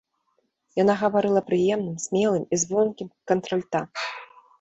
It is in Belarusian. Яна гаварыла прыемным, смелым і звонкім кантральта.